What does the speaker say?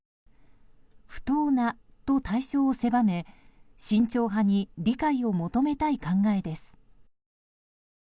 「不当な」と対象を狭め慎重派に理解を求めたい考えです。